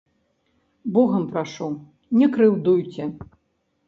Богам прашу, не крыўдуйце.